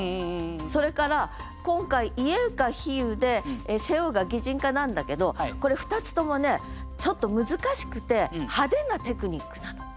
それから今回「家」が比喩で「背負う」が擬人化なんだけどこれ２つともねちょっと難しくて派手なテクニックなの。